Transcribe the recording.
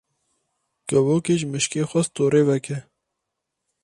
Kevokê ji mişkê xwest torê veke.